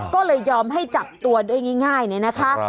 ก็เลยยอมให้จับตัวด้วยง่ายเนี่ยนะคะ